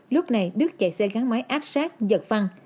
lúc này đức chạy xe gắn máy áp sát giật văn